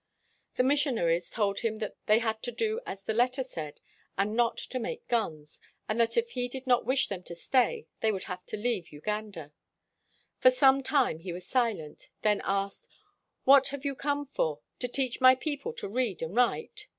The missionaries told him that they had to do as the letter said and not to make guns; and that if he did not wish them to stay, they would leave Uganda. For some time he was silent, then asked: "What have you come for — to teach my people to read and write